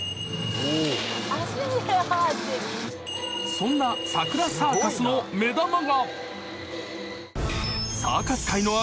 ［そんなさくらサーカスの目玉が］